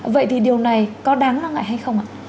vậy thì điều này có đáng lo ngại hay không ạ